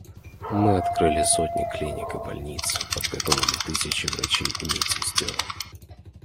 Мы открыли сотни клиник и больниц, подготовили тысячи врачей и медсестер.